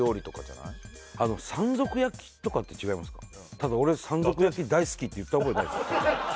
ただ俺山賊焼き大好きって言った覚えないですよ。